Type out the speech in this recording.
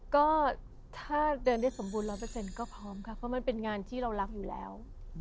ก็ถ้าเดินได้สมบูร๑๐๐ก็พร้อมค่ะเพราะมันเป็นงานที่เรารักอยู่แล้ว